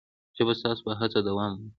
ژبه ستاسو په هڅه دوام مومي.